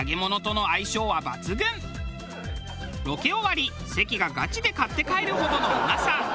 ロケ終わり関がガチで買って帰るほどのうまさ。